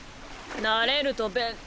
慣れると便。